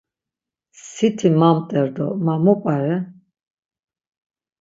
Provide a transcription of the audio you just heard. Siti mamt̆er do ma mu p̌are?